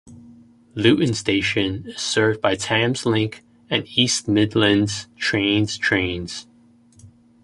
Luton station is served by Thameslink and East Midlands Trains trains.